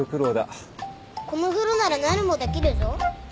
この風呂ならなるもできるぞ。